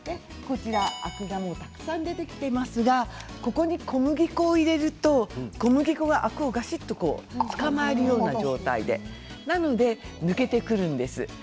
アクがたくさん出てきていますがここに小麦粉を入れると小麦粉がアクをがしっとつかまえる状態で抜けてくるんです。